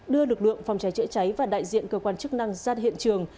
đưa lực lượng phòng cháy chữa cháy và đại diện cơ quan chức năng ra hiện trường